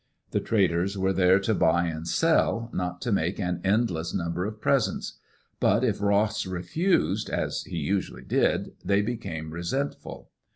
The traders were there to buy and sell, not to make an endless number of presents. But if Ross refused, as he usually did, they became resentful.